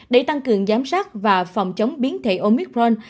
để tăng cường giám sát và phòng chống biến thể omicron